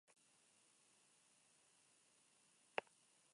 Fue nombrado Machin en honor al escultor británico Arnold Machin.